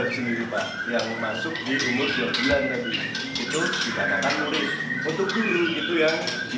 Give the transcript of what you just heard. layaknya sekolah asrama burung murai ini mendapatkan fasilitas layaknya manusia